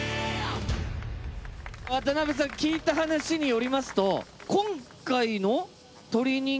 渡邊さん聞いた話によりますと。